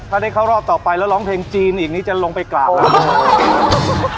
ถ้าได้เข้ารอบต่อไปแล้วร้องเพลงจีนอีกนี้จะลงไปกราบเรา